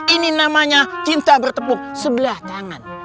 ini namanya cinta bertepuk sebelah tangan